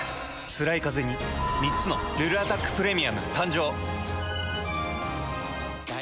つらいカゼに３つの「ルルアタックプレミアム」誕生。